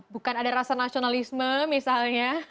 bukan ada rasa nasionalisme misalnya